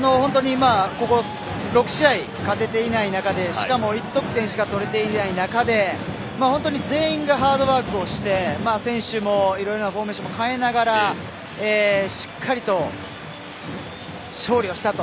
ここ６試合勝てていない中でしかも１得点しか取れていない中で本当に全員がハードワークをして選手もいろいろフォーメーションをかえながらしっかりと勝利をしたと。